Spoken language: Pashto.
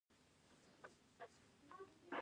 مس د افغانستان د چاپیریال د مدیریت لپاره مهم دي.